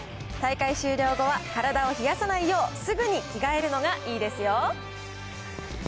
大会終了後は体を冷やさないよう、すぐに着替えるのがいいですよ。